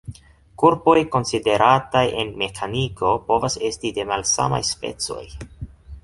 Korpoj konsiderataj en mekaniko povas esti de malsamaj specoj.